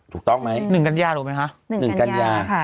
ถูกต้องไหมหนึ่งกันยารู้ไหมคะหนึ่งกันยา